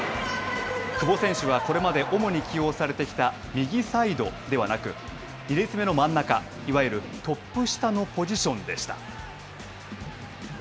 久保選手は、これまで主に起用されてきた右サイドではなく２列目の真ん中、いわゆるトップ下のポジションでした。